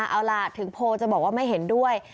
เอาล่ะถึงโพลจะบอกว่าไม่เห็นด้วย